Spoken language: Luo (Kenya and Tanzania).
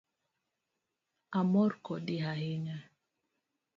Amor kodi ahinya